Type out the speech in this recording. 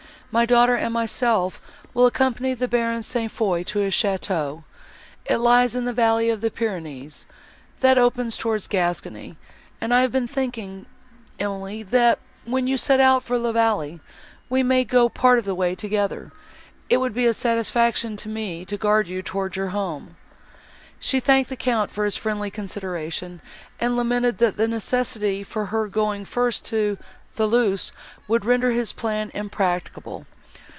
My daughter and myself will accompany the Baron St. Foix to his château. It lies in a valley of the Pyrenees, that opens towards Gascony, and I have been thinking, Emily, that, when you set out for La Vallée, we may go part of the way together; it would be a satisfaction to me to guard you towards your home." She thanked the Count for his friendly consideration, and lamented, that the necessity for her going first to Thoulouse would render this plan impracticable.